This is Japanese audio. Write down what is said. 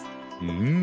うん。